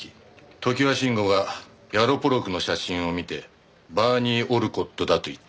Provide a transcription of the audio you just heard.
常盤臣吾がヤロポロクの写真を見てバーニー・オルコットだと言った。